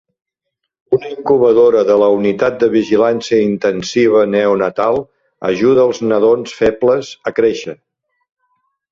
Una incubadora de la unitat de vigilància intensiva neonatal ajuda els nadons febles a créixer.